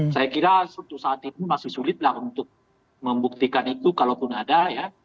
saya kira untuk saat ini masih sulit lah untuk membuktikan itu kalaupun ada ya